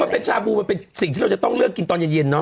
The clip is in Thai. มันเป็นชาบูมันเป็นสิ่งที่เราจะต้องเลือกกินตอนเย็นเนอ